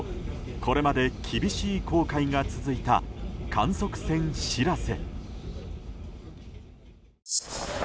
これまで厳しい航海が続いた観測船「しらせ」。